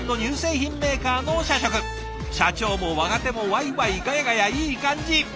社長も若手もわいわいガヤガヤいい感じ。